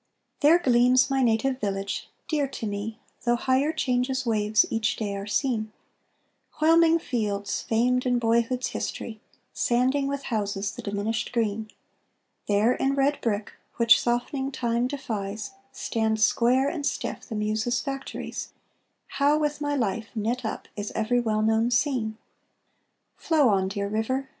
There gleams my native village, dear to me, Though higher change's waves each day are seen, Whelming fields famed in boyhood's history, Sanding with houses the diminished green; There, in red brick, which softening time defies, Stand square and stiff the Muses' factories; How with my life knit up is every well known scene! Flow on, dear river!